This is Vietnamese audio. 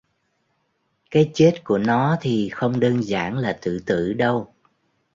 Cái chết của nó thì không đơn giản là tự tử đâu